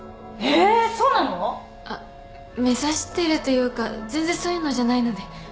目指してるというか全然そういうのじゃないので。